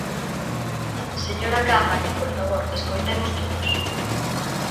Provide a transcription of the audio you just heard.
Señora Caamaño, por favor, escoitemos todos.